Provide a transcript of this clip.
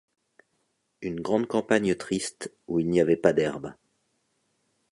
Une grande campagne triste où il n’y avait pas d’herbe.